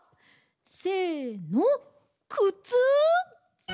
せのくつ！